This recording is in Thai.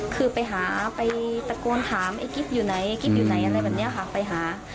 คือไปหาไปตะโกนถามไอ้กิฟต์อยู่ไหนกิ๊บอยู่ไหนอะไรแบบนี้ค่ะไปหา